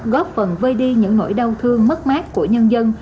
góp phần vơi đi những nỗi đau thương mất mát của nhân dân